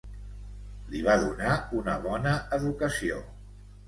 Li va donar una bona educació.